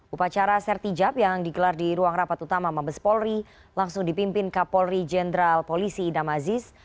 upacara sertijab yang digelar di ruang rapat utama mabes polri langsung dipimpin kapolri jenderal polisi idam aziz